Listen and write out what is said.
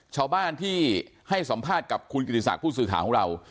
ชาวบ้านที่ให้สัมภาษณ์กับคุณกิติศักดิ์ผู้สื่อข่าวของเรา